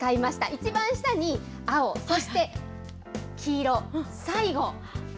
一番下に青、そして黄色、最後。